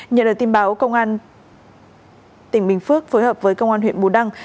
nhờ được tin báo công an tỉnh bình phước phối hợp với công an huyện bù đăng